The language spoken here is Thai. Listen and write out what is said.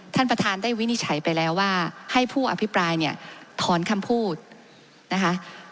ท่านประธานได้วินิจฉัยไปแล้วว่าให้ผู้อภิปรายเนี่ยถอนคำพูดนะคะ